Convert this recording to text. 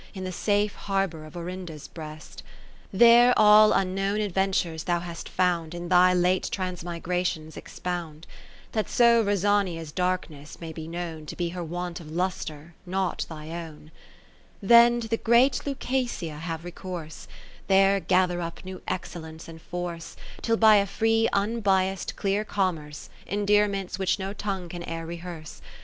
In the safe harbour of Orinda's Breast ; There all unknown adventures thou hast found In thy late transmigrationsexpound ; That so Rosania's darkness may be known 1 1 To be her want of lustre, not thy own. Then to the great Lucasia have recourse, There gather up new excellence and force, Till by a free unbiass'd clear com merce. Endearments which no tongue can e'er rehearse. * This form once more. (566) On Rosa?